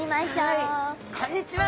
こんにちは！